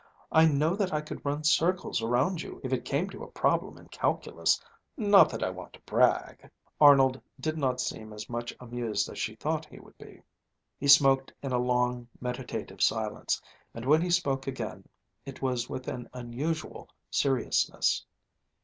I know that I could run circles around you if it came to a problem in calculus, not that I want to brag." Arnold did not seem as much amused as she thought he would be. He smoked in a long, meditative silence, and when he spoke again it was with an unusual seriousness.